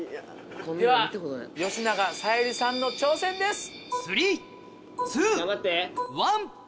では吉永小百合さんの挑戦です。頑張って。